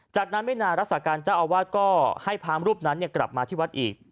จากนั้นไม่นานรักษาการเจ้าอาวาสก็ให้พระมรูปนั้นกลับมาที่วัดอีก